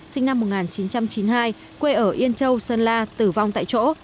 sinh năm một nghìn chín trăm chín mươi hai quê ở yên châu sơn la tử vong tại chỗ